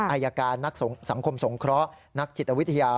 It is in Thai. อายการนักสังคมสงเคราะห์นักจิตวิทยา